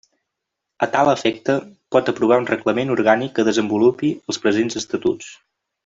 A tal efecte, pot aprovar un Reglament Orgànic que desenvolupi els presents Estatuts.